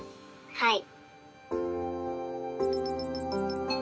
はい。